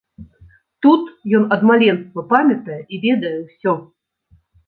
Тут ён ад маленства памятае і ведае ўсё.